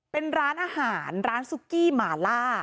เป็นร้านอาหารร้านซุกี้หมาล่า